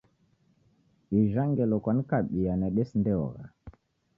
Ijha ngelo kwanikabia nedesindeogha.